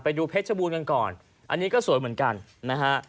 ดูเพชรบูรณ์กันก่อนอันนี้ก็สวยเหมือนกันนะฮะ